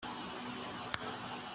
坐在走廊外